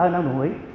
ba năm đồng ý